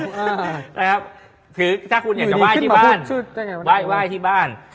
ถ้าคุณอยากจะว่ายที่บ้านว่ายที่บ้าน